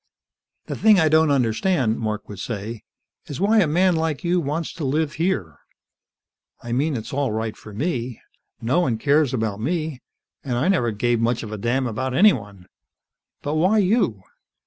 "The thing I don't understand," Mark would say, "is why a man like you wants to live here. I mean, it's all right for me. No one cares about me, and I never gave much of a damn about anyone. But why you?"